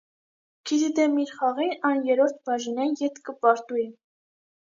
Քիզի դէմ իր խաղին, ան երրորդ բաժինէն ետք կը պարտուի։